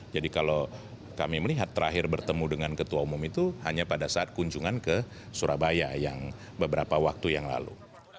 jadi kalau kami melihat terakhir bertemu dengan ketua umum itu hanya pada saat kunjungan ke surabaya yang beberapa waktu yang lalu